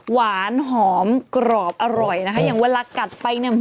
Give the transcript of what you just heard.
หวานหอมกรอบอร่อยนะคะอย่างเวลากัดไปเนี่ย